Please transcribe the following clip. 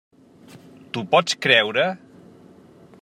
T'ho pots creure?